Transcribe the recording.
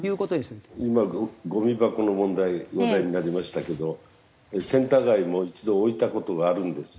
今ごみ箱の問題話題になりましたけどセンター街にも一度置いた事があるんです１０